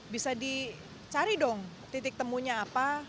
bisa dicari dong titik temunya apa